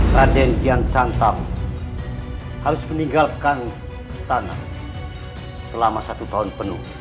raden yang santam harus meninggalkan istana selama satu tahun penuh